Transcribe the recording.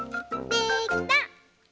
できた！